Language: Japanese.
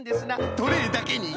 トレーだけに！